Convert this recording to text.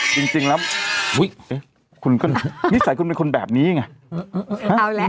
จริงจริงแล้วอุ้ยคุณก็นิสัยคุณเป็นคนแบบนี้ไงเอาแล้ว